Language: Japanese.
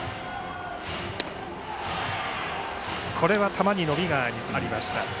球に伸びがありました。